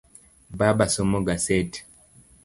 Baba somo gaset.